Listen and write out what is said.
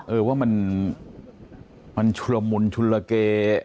เออว่ามันมันชุระมุนชุระเก